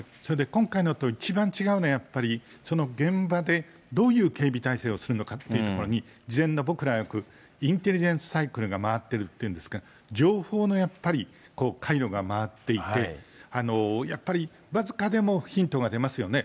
今回のと一番違うのは、やっぱりその現場でどういう警備体制をするかっていうところに、事前のインテリジェンス・サイクルが回ってるって言うんですが、情報のやっぱり、回路が回っていて、やっぱり僅かでもヒントが出ますよね。